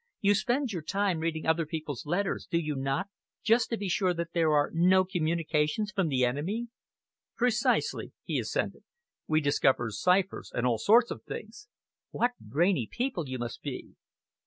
"You spend your time reading other people's letters, do you not, just to be sure that there are no communications from the enemy?" "Precisely," he assented. "We discover ciphers and all sorts of things." "What brainy people you must be!"